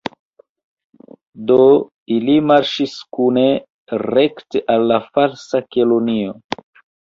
Do, ili marŝis kune rekte al la Falsa Kelonio.